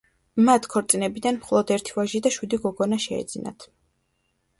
მათ ქორწინებიდან მხოლოდ ერთი ვაჟი და შვიდი გოგონა შეეძინათ.